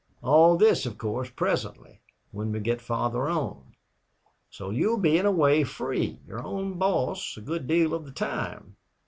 All this, of course, presently, when we get farther on. So you will be in a way free your own boss a good deal of the time.